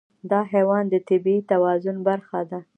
دا حیوان د طبیعي توازن برخه ده.